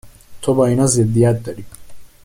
تو با اینها ضدیت داری